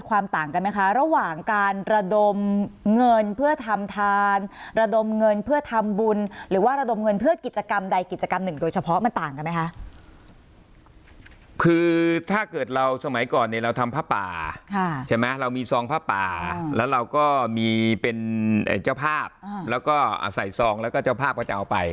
คือถ้าเกิดเราสมัยก่อนเนี่ยเราทำภาพป่าใช่ไหมเรามีซองภาพป่าแล้วเราก็มีเป็นเจ้าภาพแล้วก็ใส่ซองแล้วก็เจ้าภาพก็จะเอาไป